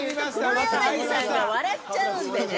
黒柳さんが笑っちゃうんでね